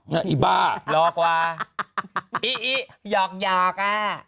น่ะอีบ้ารอกวะอิหยอกอ่ะ